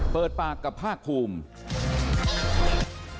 เปิดปากกับภาคภูมิ